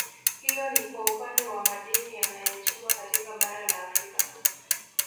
Hiyo ni kwa upande wa madini yanayochimbwa katika Bara la Afrika